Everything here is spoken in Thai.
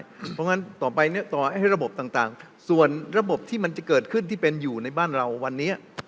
เพราะฉะนั้นต่อไปเนี่ยต่อให้ระบบต่างส่วนระบบที่มันจะเกิดขึ้นที่เป็นอยู่ในบ้านเราวันนี้